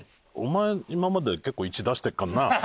お前今まで結構「１」出してるからな。